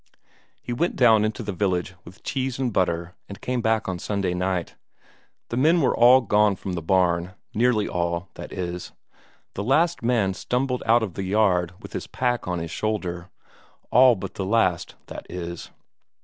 He went down into the village with cheese and butter, and came back on Sunday night. The men were all gone from the barn; nearly all, that is; the last man stumbled out of the yard with his pack on his shoulder all but the last, that is.